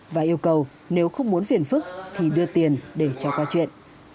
và yêu cầu nếu không muốn phiền phức thì đưa tiền để trả qua chuyện